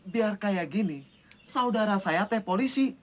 biar kayak gini saudara saya teh polisi